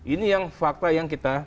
ini yang fakta yang kita